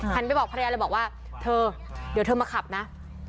ไปบอกภรรยาเลยบอกว่าเธอเดี๋ยวเธอมาขับนะ